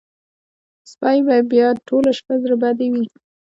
چې سپۍ به بیا ټوله شپه زړه بدې وي.